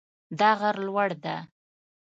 دا غر لوړ ده